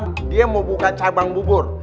pak haji sulam dia mau buka cabang bubur